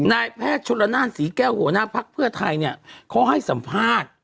นายแพทย์ชนละนานศรีแก้วหัวหน้าภักดิ์เพื่อไทยเนี่ยเขาให้สัมภาษณ์